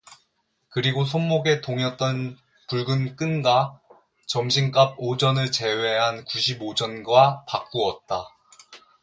그리고 손목에 동였던 붉은 끈과 점심값 오 전을 제한 구십오 전과 바꾸었다.